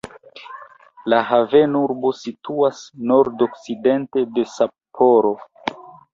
La havenurbo situas nordokcidente de Sapporo.